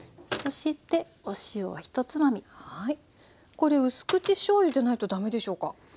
これうす口しょうゆでないと駄目でしょうか？